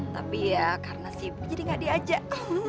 tapi ya karena sibuk jadi gak diajak